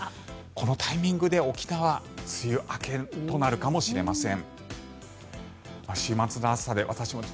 このタイミングで沖縄は梅雨明けとなるかもしれません。